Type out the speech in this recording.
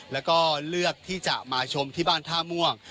แล้วก็เลือกที่จะมาชมที่บ้านท่าม่วง